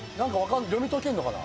読み解けんのかな？